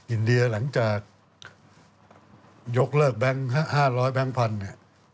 อินเดียหลังจากยกเลิกแบงค์๕๐๐แบงค์พันธุ์เนี่ย